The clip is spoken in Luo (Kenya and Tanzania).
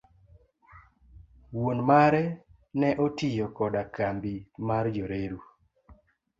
Wuon mare ne otiyo koda kambi mar Jo reru.